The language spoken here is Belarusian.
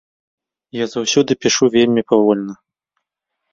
Я заўсёды пішу вельмі павольна.